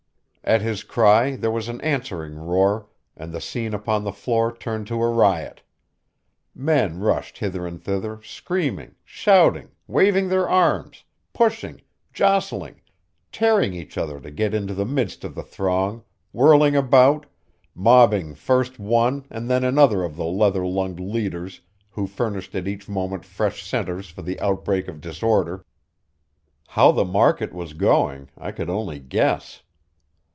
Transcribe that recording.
At his cry there was an answering roar, and the scene upon the floor turned to a riot. Men rushed hither and thither, screaming, shouting, waving their arms, pushing, jostling, tearing each other to get into the midst of the throng, whirling about, mobbing first one and then another of the leather lunged leaders who furnished at each moment fresh centers for the outbreak of disorder. How the market was going, I could only guess.